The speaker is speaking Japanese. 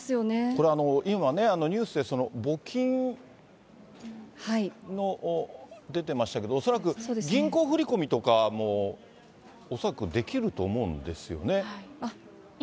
これ、今ね、ニュースで募金の、出てましたけど、恐らく銀行振り込みとかも恐らくできると思うんですよね。